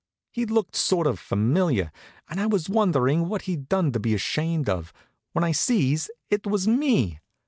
He looked sort of familiar, and I was wondering what he'd done to be ashamed of, when I sees it was me.